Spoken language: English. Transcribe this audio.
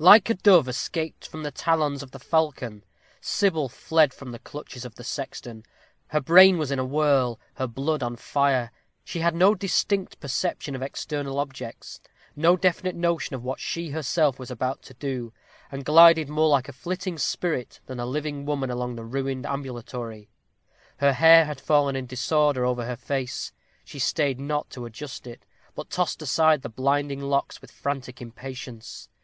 _ Like a dove escaped from the talons of the falcon, Sybil fled from the clutches of the sexton. Her brain was in a whirl, her blood on fire. She had no distinct perception of external objects; no definite notion of what she herself was about to do, and glided more like a flitting spirit than a living woman along the ruined ambulatory. Her hair had fallen in disorder over her face. She stayed not to adjust it, but tossed aside the blinding locks with frantic impatience.